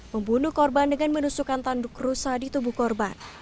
membunuh korban dengan menusukan tanduk rusak di tubuh korban